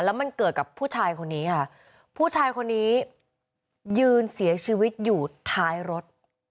แล้วมันเกิดกับผู้ชายคนนี้ค่ะผู้ชายคนนี้ยืนเสียชีวิตอยู่ท้ายรถ